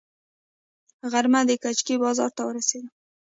غرمه د کجکي بازار ته ورسېدم.